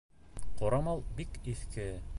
Ҡорамал бик иҫке.